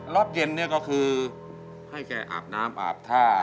รอบเย็นเนี่ยก็คือให้แกอาบน้ำอาบท่า